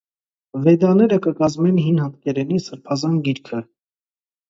Վեդաները կը կազմէն հին հնդկերենի սրբազան գիրքը։